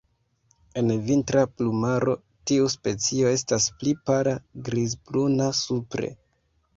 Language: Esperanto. En vintra plumaro, tiu specio estas pli pala grizbruna supre.